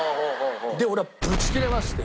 で俺はブチギレまして。